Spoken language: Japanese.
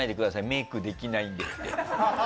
メイクできないんでって。